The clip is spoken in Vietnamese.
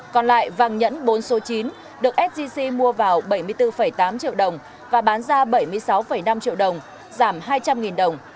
còn lại vàng nhẫn bốn số chín được sgc mua vào bảy mươi bốn tám triệu đồng và bán ra bảy mươi sáu năm triệu đồng giảm hai trăm linh đồng